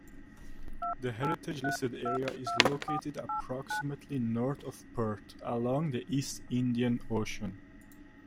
The heritagelisted area is located approximately north of Perth, along the East Indian Ocean.